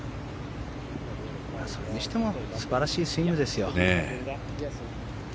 それにしても素晴らしいスイングですよ。